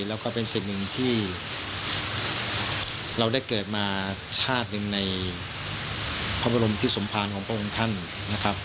แล้วก็เป็นสิ่งหนึ่งที่เราได้เกิดมาชาติหนึ่งในพระบรมทิศสมภารของพระองค์ท่านนะครับ